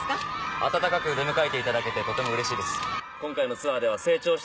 温かく出迎えていただけてとてもうれしいです。